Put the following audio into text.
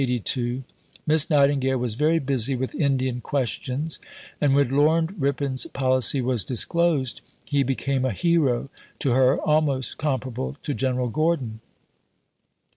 IV During the years 1881 and 1882 Miss Nightingale was very busy with Indian questions, and when Lord Ripon's policy was disclosed, he became a hero to her almost comparable to General Gordon.